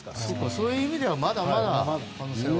そういう意味ではまだまだ可能性は。